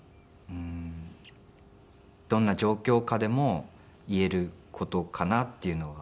どんな状況下でも言える事かなっていうのは。